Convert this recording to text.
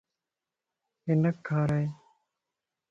ھنک کارائي